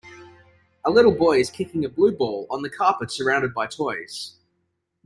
A little boy is kicking a blue ball on the carpet surrounded by toys.